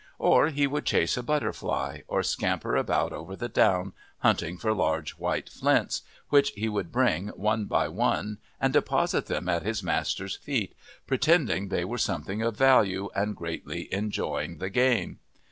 Or he would chase a butterfly or scamper about over the down hunting for large white flints, which he would bring one by one and deposit them at his master's feet, pretending they were something of value and greatly enjoying the game.